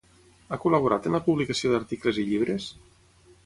Ha col·laborat en la publicació d'articles i llibres?